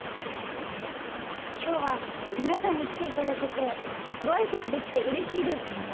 今日は皆さんに来ていただけてご挨拶できてうれしいです。